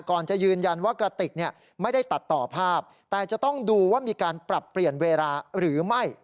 จะยืนยันว่ากระติกไม่ได้ตัดต่อภาพแต่จะต้องดูว่ามีการปรับเปลี่ยนเวลาหรือไม่